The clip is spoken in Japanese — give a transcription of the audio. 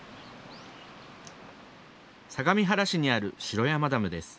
相模原市にある城山ダムです。